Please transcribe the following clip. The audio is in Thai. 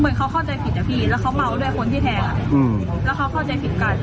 แล้วเขาเข้าใจผิดกันแล้วเขาก็เลยต่อยกัน